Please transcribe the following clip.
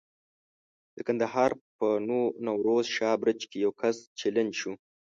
د کندهار په نوروز شاه برج کې یو کس چلنج شو.